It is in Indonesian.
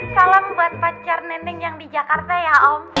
salam buat pacar nenek yang di jakarta ya om